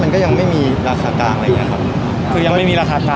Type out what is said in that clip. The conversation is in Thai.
มันก็ยังไม่มีราคากลางอะไรอย่างเงี้ครับคือยังไม่มีราคากลาง